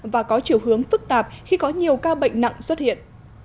và có chiều hướng phức tạp khi có nhiều ca bệnh nặng xuất hiện